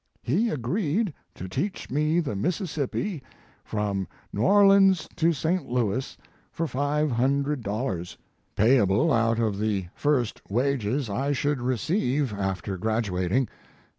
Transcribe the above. He agreed to teach me the Mississippi from New Orleans to St. lyouis for five hundred dollars, payable out of the first wages I should receive after graduating.